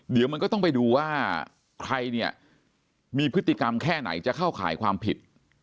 เดี๋ยวมันก็ต้องไปดูว่าใครเนี่ยมีพฤติกรรมแค่ไหนจะเข้าข่ายความผิด